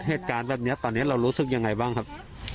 เหตุการณ์แบบนี้ตอนนี้เรารู้สึกยังไงบ้างครับ